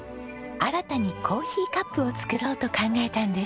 新たにコーヒーカップを作ろうと考えたんです。